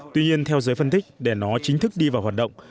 tuy nhiên theo giới phân tích để nó chính thức đi vào hoạt động